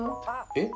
えっ？